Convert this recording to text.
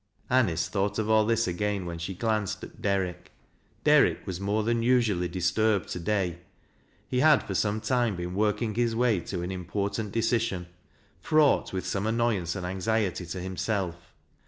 Anice. thought of all this again when she glanced a1 Derrick. Derrick was more than usually disturbed to dav 214 THAT LABS 0' LOWBISPS. He had for some time been working his way to an impcW' tant decision, fraught with some annoyance and anxietj to himself.